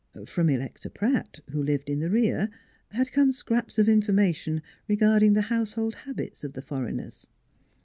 From Electa Pratt, who lived in the rear, had come scraps of information regarding the household habits of the foreigners.